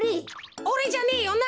おれじゃねえよな？